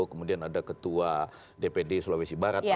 kemudian ada ketua dpd sulawesi barat